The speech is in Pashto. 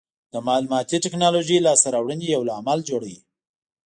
د معلوماتي ټکنالوژۍ لاسته راوړنې یو لامل جوړوي.